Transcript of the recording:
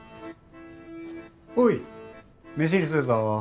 おい飯にするぞ。